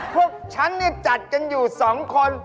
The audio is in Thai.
พวกฉันเนี่ยจัดกันอยู่๒คน